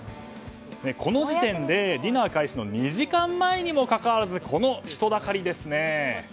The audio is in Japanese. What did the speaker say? この時点でディナー開始の２時間前にもかかわらずこの人だかりですね。